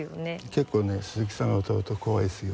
結構ね鈴木さんが歌うと怖いですよ。